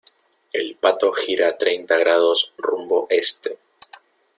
el pato gira treinta grados rumbo este.